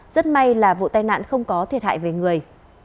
rất may là vụ tai nạn không có thiệt hại về người